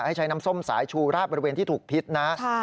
ให้ใช้น้ำส้มสายชูราดบริเวณที่ถูกพิษนะ